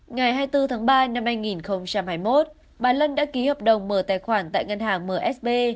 ngày hai mươi bốn tháng ba năm hai nghìn hai mươi một bà lân đã ký hợp đồng mở tài khoản tại ngân hàng msb